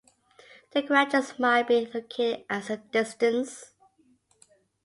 The granges might be located at some distance.